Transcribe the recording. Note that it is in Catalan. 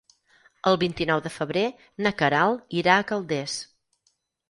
El vint-i-nou de febrer na Queralt irà a Calders.